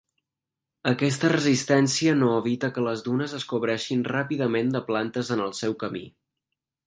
Aquesta resistència no evita que les dunes es cobreixin ràpidament de plantes en el seu camí.